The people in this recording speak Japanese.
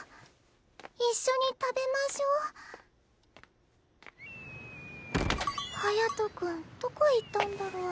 一緒に食べましょ隼君どこ行ったんだろ？